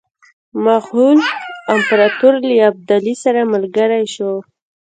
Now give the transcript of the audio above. مغول امپراطور له ابدالي سره ملګری شو.